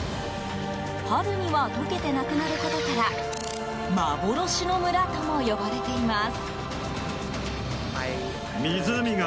春には解けてなくなることから幻の村とも呼ばれています。